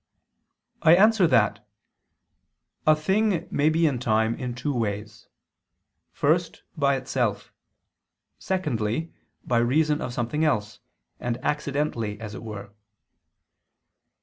I answer that, A thing may be in time in two ways: first, by itself; secondly, by reason of something else, and accidentally as it were.